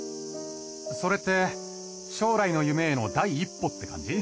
それって将来の夢への第一歩って感じ？